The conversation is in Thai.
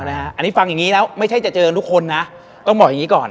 อันนี้ฟังอย่างนี้แล้วไม่ใช่จะเจอทุกคนนะต้องบอกอย่างนี้ก่อน